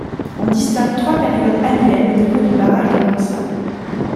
On distingue trois périodes annuelles au niveau du barrage de Vinça.